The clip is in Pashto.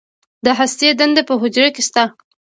د هستې دنده په حجره کې څه ده